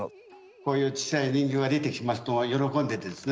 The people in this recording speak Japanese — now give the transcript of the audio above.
こういう小さい人形が出てきますと喜んでですね